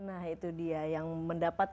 nah itu dia yang mendapat